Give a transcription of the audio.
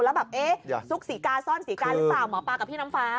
แล้วแบบสุขสีกาซ่อนสีการึเปล่าหมอปลากับพี่น้ำฟ้า